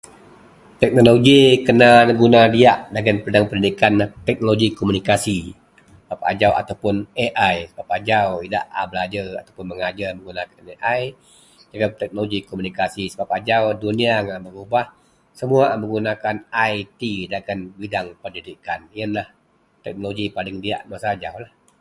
teknologi kena neguna diak dagen bidang Pendidikan teknologi komunikasi sebab ajau ataupun AI sebab ajau idak a belajer atau megajer menggunakan AI jegum teknologi komunikasi sebab ajau dunia ngak berubah, semua a menggunakan IT dagen bidang Pendidikan, ienlah teknologi paling diak masa ajaulah